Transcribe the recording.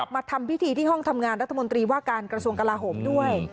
มาทำพิธีที่ห้องทำงานรัฐมนตรีว่าการกระทรวงกลาโหมด้วย